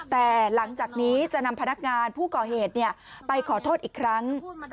แต่หลังจากนี้จะนำพนักงานผู้ก่อเหตุไปขอโทษอีกครั้ง